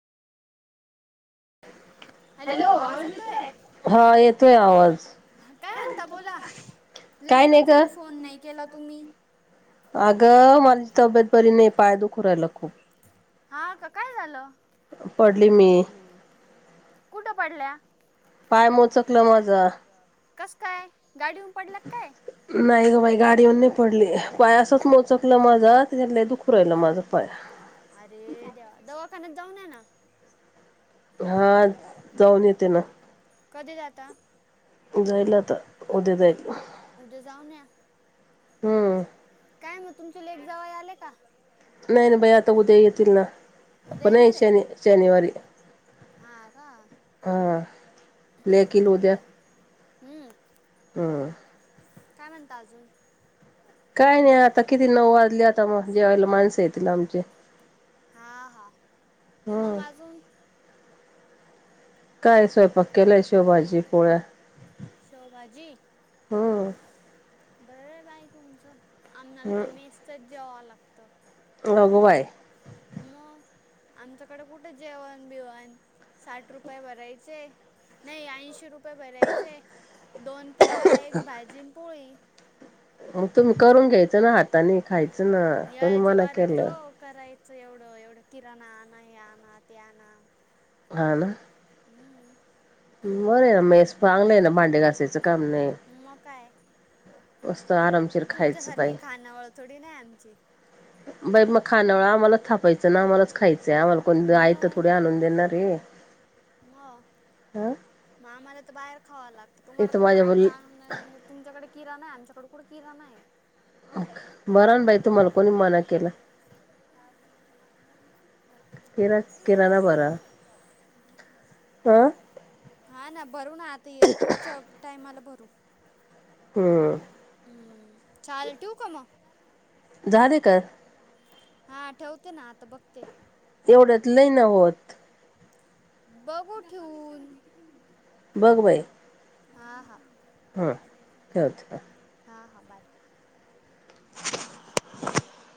ॅ हॅलो आवाज येतोय हा येतोय आवाज लै काय नाही दिवस ग झाले फोन नाही केला तुम्ही अगं माला तब्येत बरी नाही पाय दुख रायला खूप हा का काय झालं पडली मी कुठं पडल्या पाय मोचकला माझा य कस काय गाडीन पडला काय नाही ग बाई गाडीवरून नाही पडली पाय असंच मग मोचकलं माझा त्यािच्यातलं दुखू राहिलं माझ पाय अरे दवा दावाखान्यात जाऊन या ना हा जाऊन येते ना कधी जाता जाईल आता उद्या जाईल उद्या जाऊन या हम्म काय मग तुमचे लेक जावई आले का नाही ना बाई आता उद्या येतील ना उद्या पण येणार आहे शनी शनिवारी हा का हा ल कि लोज्या हम्म हम काय म्हणत अजून काय नाही आता किती नऊ वाजली आता मग जेवायला माणसं येतील आमचे हा हा मग हम्म अजून काय स्वयंपाक केलंय शेवभाजी पोळ्या शेवभजी हम्म बरं बाई तुमचं आम्हाला तर मेसतच जेवं लागत लघवाय मग आमच्याकडे कुठे जेवण बिवण साठ रुपये भरायचे नाही ऐंशी रुपये भरायचे दोन पोळ्या एक भाजीन पोळी मग तुम्ही करून घ्यायचं ना हाताने खायचं ना कोण या मना जीवार केलं येतो करायचं एवढं एवढं किराणा आण हे आण ते आण हा ना बर आहे ना मेस चांगलं आहे ना भांडे घासायचं काम नाही मग काय मस्त आरामशीर खायचं बाई तुमच्यासारखी खाणवळतडी नाही आमची बाई मग खानवळ आम्हालाच थापायचं ना आम्हाच खायचंय आम्हाला कोण आयट तर मग थोडी आणून देणार र मग मग आम्हाला तर बाहेर खावा लागत तुम्हाला इथं कोण माझ्या आयत य तर बल आनऊनंदेणार आहे तुमच्याकडे किरान नाही आमच्याकडे कोठ किरान नाही बरा बरं ना बाई कोणी तुम्हाला पण मना केला किरान बार हा ना भरू ना आता पुढच्या टाइमाला भरू हम्म चाल ठेऊ का मग झालेकर हा ठेवते ना आता बघते एवढ्यात नै न होत बघू ठेऊन बगबई हा हा हा ठ हा हा बाय